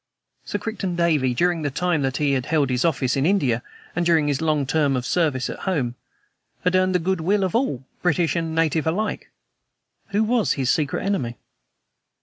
Sir Crichton Davey, during the time that he had held office in India, and during his long term of service at home, had earned the good will of all, British and native alike. Who was his secret enemy?